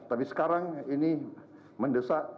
tapi sekarang ini mendesak